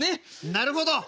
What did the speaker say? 「なるほど。